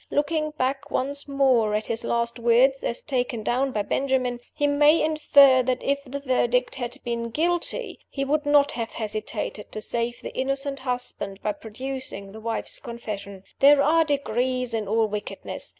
Looking back once more at his last words (as taken down by Mr. Benjamin), we may infer that if the verdict had been Guilty, he would not have hesitated to save the innocent husband by producing the wife's confession. There are degrees in all wickedness.